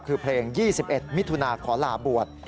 คือเพลง๒๑มิถุนาขอลาบวช